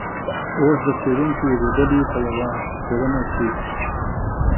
اوس د څیړونکو یوې ډلې په یوه څیړنه کې